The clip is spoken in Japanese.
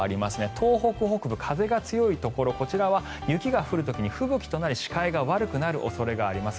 東北北部、風が強いところこちらは雪が降る時に吹雪となり視界が悪くなる恐れがあります。